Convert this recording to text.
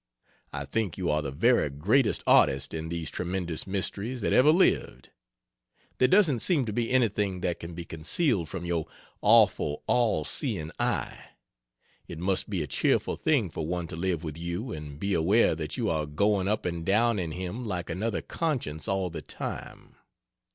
I think you are the very greatest artist in these tremendous mysteries that ever lived. There doesn't seem to be anything that can be concealed from your awful all seeing eye. It must be a cheerful thing for one to live with you and be aware that you are going up and down in him like another conscience all the time.